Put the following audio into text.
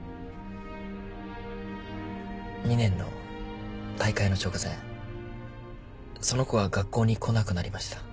２年の大会の直前その子が学校に来なくなりました。